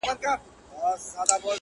ناروغه دی اخ نه کوي زگيروی نه کوي~